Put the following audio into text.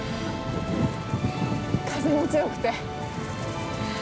風も強くて。